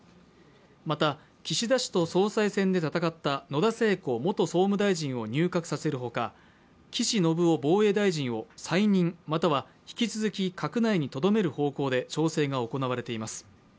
また、岸田氏と総裁選で戦った野田聖子元総務大臣を入閣させるほか、岸信夫防衛大臣を再任または引き続き閣内にとどめる方向で調整が行われています。